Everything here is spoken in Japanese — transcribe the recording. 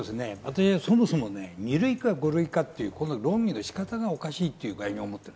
そもそも２類か５類かという論議の仕方がおかしいと思っている。